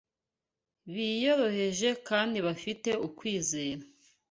biyoroheje kandi bafite kwizera